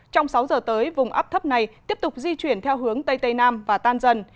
trong sáu giờ tới vùng áp thấp này tiếp tục di chuyển theo hướng tây tây nam và tan dần